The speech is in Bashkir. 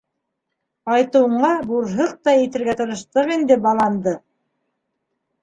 Ҡайтыуыңа бурһыҡтай итергә тырыштыҡ инде баланды!